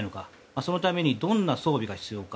そのためにどんな装備が必要か。